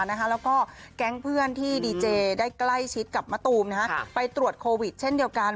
แล้วก็แก๊งเพื่อนที่ดีเจได้ใกล้ชิดกับมะตูมไปตรวจโควิดเช่นเดียวกัน